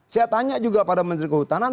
saya tanya juga pada menteri kehutanan